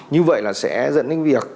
như vậy là sẽ dẫn đến việc